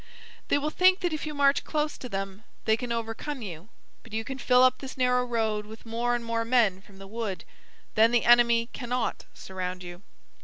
They will think that if you march close to them they can overcome you. But you can fill up this narrow road with more and more men from the wood. Then the enemy cannot surround you."